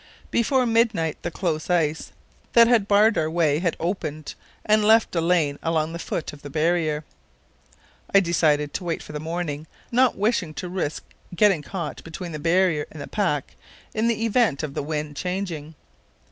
Before midnight the close ice that had barred our way had opened and left a lane along the foot of the barrier. I decided to wait for the morning, not wishing to risk getting caught between the barrier and the pack in the event of the wind changing.